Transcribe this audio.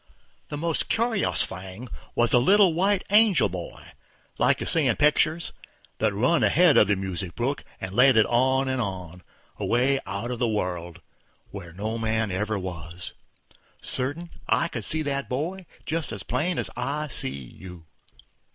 The most curious thing was the little white angel boy, like you see in pictures, that run ahead of the music brook and led it on, and on, away out of the world, where no man ever was, certain, I could see the boy just as plain as I see you.